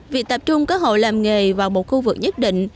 việc tập trung các hộ làm nghề vào một khu vực nhất định